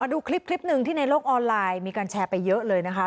ดูคลิปหนึ่งที่ในโลกออนไลน์มีการแชร์ไปเยอะเลยนะคะ